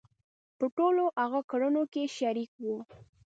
په ټولو هغو کړنو کې شریک وو.